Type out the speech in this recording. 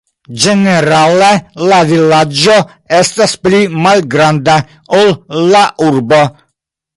Ĝenerale la vilaĝo estas pli malgranda, ol la urbo.